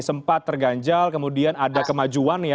sempat terganjal kemudian ada kemajuan ya